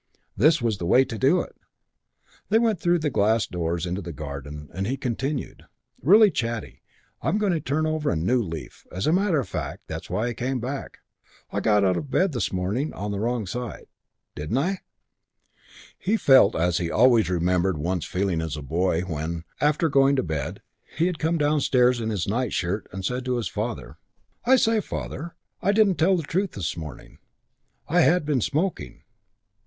This was the way to do it! They went through the glass doors into the garden and he continued, "Really chatty. I'm going to turn over a new leaf. As a matter of fact, that's why I came back. I got out of bed the wrong side this morning, didn't I?" He felt as he always remembered once feeling as a boy when, after going to bed, he had come downstairs in his nightshirt and said to his father, "I say, father, I didn't tell the truth this morning. I had been smoking."